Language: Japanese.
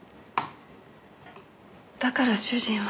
だから主人は。